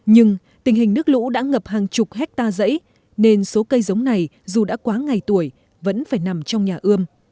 nhưng tình hình nước lũ đã ngập hàng chục hectare dãy nên số cây giống này dù đã quá ngày tuổi vẫn phải nằm trong nhà ươm